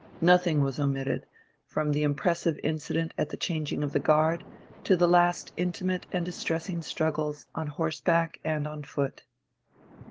Nothing was omitted, from the impressive incident at the changing of the guard to the last intimate and distressing struggles on horseback and on foot.